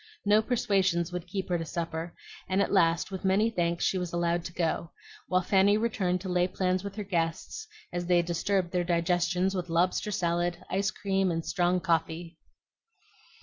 No persuasions would keep her to supper; and at last, with many thanks, she was allowed to go, while Fanny returned to lay plans with her guests as they disturbed their digestions with lobster salad, ice cream, and strong coffee.